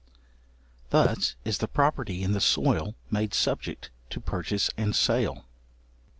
Thus is the property in the soil made subject to purchase and sale.